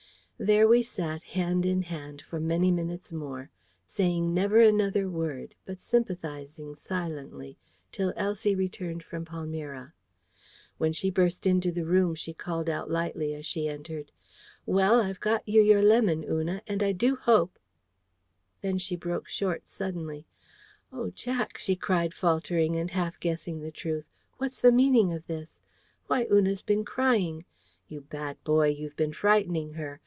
There we sat, hand in hand, for many minutes more, saying never another word, but sympathising silently, till Elsie returned from Palmyra. When she burst into the room, she called out lightly as she entered: "Well, I've got you your lemon, Una, and I do hope " Then she broke short suddenly. "Oh, Jack," she cried, faltering, and half guessing the truth, "what's the meaning of this? Why, Una's been crying. You bad boy, you've been frightening her.